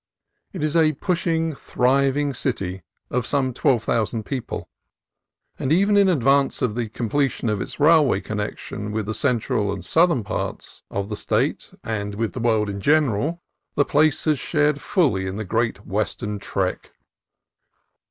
It is a pushing, thriving city of some twelve thousand people, and, even in advance of the completion of its railway connection with the cen tral and southern parts of the State and with the world in general, the place has shared fully in the great Western trek.